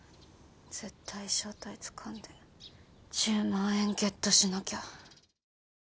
絶対正体つかんで１０万円ゲットしなきゃ。